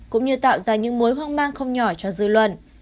cũng như tạo ra những mối hoang mang không nhỏ cho dư luận